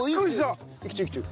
生きてる生きてる。